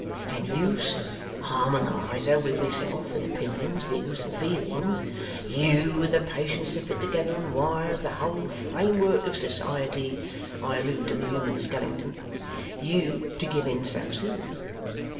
And you, sir, harmonizer with myself in opinions, views, and feelings, you with the patience to fit together on wires the whole framework of society I allude to the human skelinton you to give in so soon!